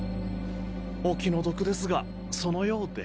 お気の毒ですがそのようで。